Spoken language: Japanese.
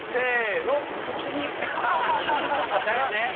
１。だよね。